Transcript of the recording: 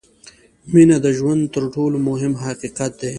• مینه د ژوند تر ټولو مهم حقیقت دی.